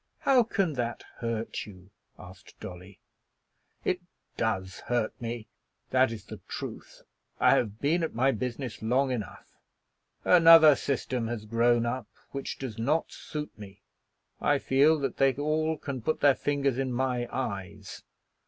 How can that hurt you?" asked Dolly. "It does hurt me; that is the truth. I have been at my business long enough. Another system has grown up which does not suit me. I feel that they all can put their fingers in my eyes.